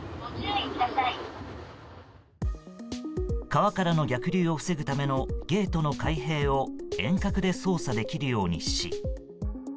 川からの逆流を防ぐためのゲートの開閉を遠隔で操作できるようにし。